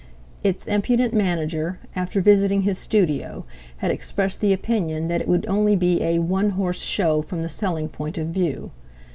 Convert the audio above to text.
Its impudent manager, after visiting his studio, had expressed the opinion that it would only be a "one horse show from the selling point of view."